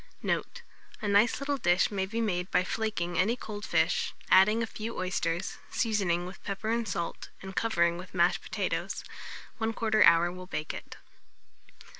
Note. A nice little dish may be made by flaking any cold fish, adding a few oysters, seasoning with pepper and salt, and covering with mashed potatoes; 1/4 hour will bake it.